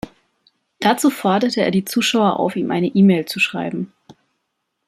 Dazu forderte er die Zuschauer auf, ihm eine E-Mail zu schreiben.